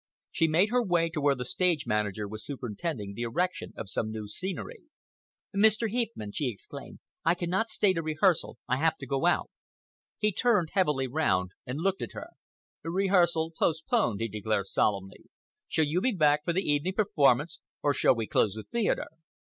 She made her way to where the stage manager was superintending the erection of some new scenery. "Mr. Heepman," she exclaimed, "I cannot stay to rehearsal! I have to go out." He turned heavily round and looked at her. "Rehearsal postponed," he declared solemnly. "Shall you be back for the evening performance, or shall we close the theatre?"